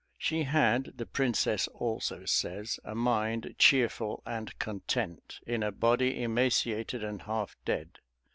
She had, the princess also says, a mind cheerful and content, in a body emaciated and half dead.